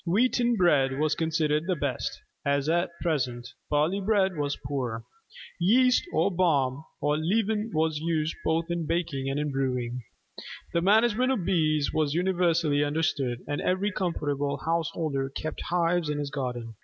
Wheaten bread was considered the best, as at present: barley bread was poor. Yeast, or barm, or leaven was used both in baking and in brewing. The management of Bees was universally understood, and every comfortable householder kept hives in his garden.